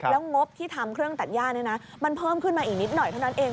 แล้วงบที่ทำเครื่องตัดย่ามันเพิ่มขึ้นมาอีกนิดหน่อยเท่านั้นเอง